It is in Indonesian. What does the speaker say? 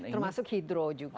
termasuk hidro juga